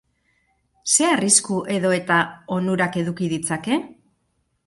Zer arrisku edo eta onurak eduki ditzake?